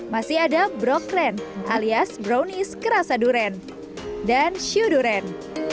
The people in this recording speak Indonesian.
masih ada brokren alias brownies kerasa durian dan sjoduren